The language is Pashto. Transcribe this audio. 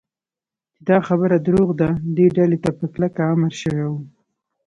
چې دا خبره دروغ ده، دې ډلې ته په کلکه امر شوی و.